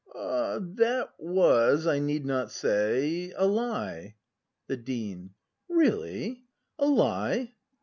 ] That was, I need not say, a lie. The Dean. Really, a lie?